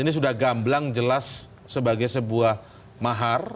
ini sudah gamblang jelas sebagai sebuah mahar